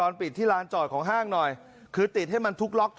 รถที่สองหนูก็เอารถมาตอบ